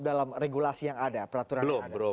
dalam regulasi yang ada peraturan yang ada